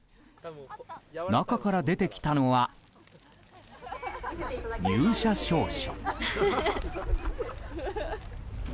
中から出てきたのは入社証書。